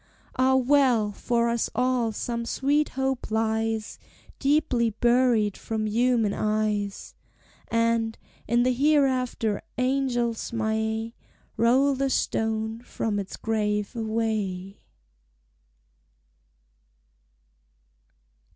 Ah, well! for us all some sweet hope lies Deeply buried from human eyes; And, in the hereafter, angels may Roll the stone from its grave away!